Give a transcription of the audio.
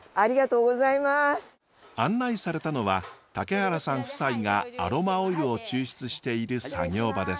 案内されたのは竹原さん夫妻がアロマオイルを抽出している作業場です。